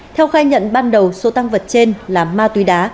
theo khai nhận ban đầu số tăng vật trên là ma túy đá